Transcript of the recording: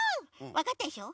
わかったでしょ？